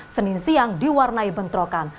senin siang diwarnai bentrokan